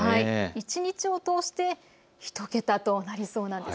一日を通して１桁となりそうです。